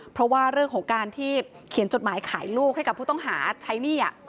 เพราะว่าเรื่องของการที่เขียนจดหมายขายลูกให้กับผู้ต้องหาใช้หนี้